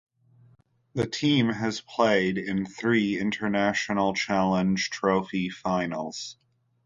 The team has played in three International Challenge Trophy finals.